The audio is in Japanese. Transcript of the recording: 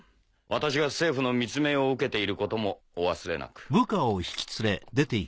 私が政府の密命を受けていることもお忘れなく。